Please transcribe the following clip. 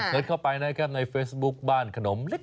เซ็ตเข้าไปในเฟสบุ๊กบ้านขนมเล็ก